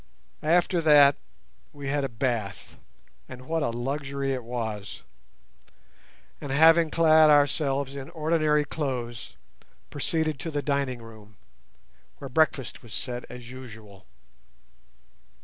After that we had a bath, and what a luxury it was! And having clad ourselves in ordinary clothes, proceeded to the dining room, where breakfast was set as usual.